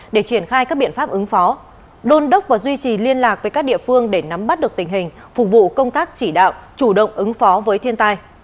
để triển khai các biện pháp ứng phó đôn đốc và duy trì liên lạc với các địa phương để nắm bắt được tình hình phục vụ công tác chỉ đạo chủ động ứng phó với thiên tai